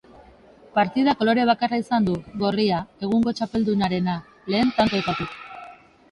Partidak kolore bakarra izan du, gorria, egungo txapeldunarena, lehen tantoetatik.